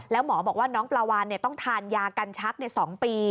แล้วหมอบอกว่าน้องปลาวานต้องทานยากันชัก๒ปี